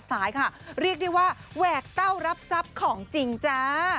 สายค่ะเรียกได้ว่าแหวกเต้ารับทรัพย์ของจริงจ้า